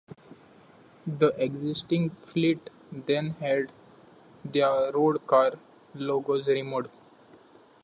The existing fleet then had their RoadCar logos removed.